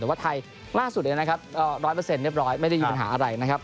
แต่ว่าไทยล่าสุดเนี่ยนะครับ๑๐๐เรียบร้อยไม่ได้มีปัญหาอะไรนะครับ